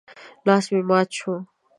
لاس مې مات شو.